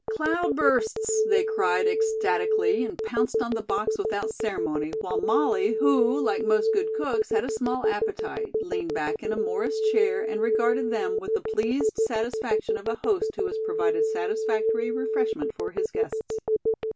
"Cloudbursts!" they cried ecstatically and pounced on the box without ceremony, while Molly, who, like most good cooks, had a small appetite, leaned back in a Morris chair and regarded them with the pleased satisfaction of a host who has provided satisfactory refreshment for his guests.